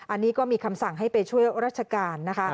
อันนี้ก็มีคำสั่งให้ไปช่วยราชการนะคะ